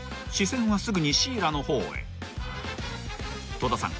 ［戸田さん